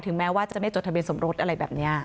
แม้ว่าจะไม่จดทะเบียนสมรสอะไรแบบนี้